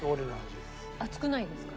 熱くないですか？